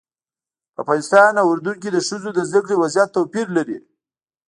په افغانستان او اردن کې د ښځو د زده کړې وضعیت توپیر لري.